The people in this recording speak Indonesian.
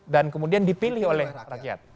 dan kemudian dipilih oleh rakyat